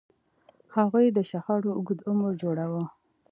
هغوی د شخړو اوږد عمر جوړاوه.